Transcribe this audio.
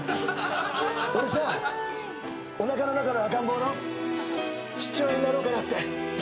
俺さおなかの中の赤ん坊の父親になろうかなって。